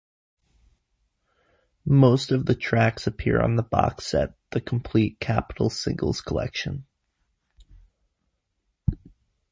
Most of the tracks appear on the box set "The Complete Capitol Singles Collection".